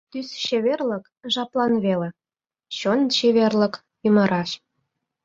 Тӱс чеверлык — жаплан веле, чон чеверлык — ӱмыраш.